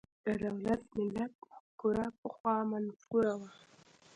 د دولت–ملت مفکوره پخوا منفوره وه.